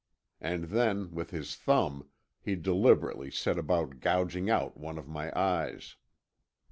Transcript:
And then with his thumb he deliberately set about gouging out one of my eyes.